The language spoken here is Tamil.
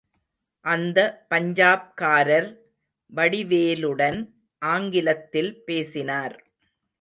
அந்த பஞ்சாப்காரர் வடிவேலுடன் ஆங்கிலத்தில் பேசினார்.